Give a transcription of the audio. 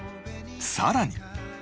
さらに！